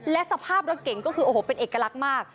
และสภาพรถเก่งก็คือโอ้โหเป็นเอกลักษณ์มาก